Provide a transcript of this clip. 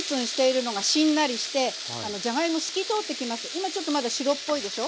今ちょっとまだ白っぽいでしょ？